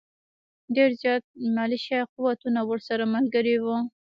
ډېر زیات ملېشه قوتونه ورسره ملګري وو.